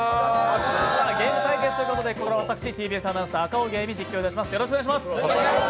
ゲーム対決ということで、ここからは私、ＴＢＳアナウンサー、赤荻歩が実況します。